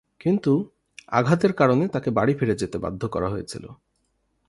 কিন্তু, আঘাতের কারণে তাকে বাড়ি ফিরে যেতে বাধ্য করা হয়েছিল।